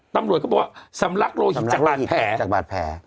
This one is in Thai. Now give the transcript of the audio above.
ตำรวจเขาบอกว่าสำรักโรหิตจากบาดแผล